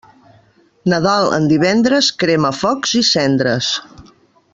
Nadal en divendres, crema focs i cendres.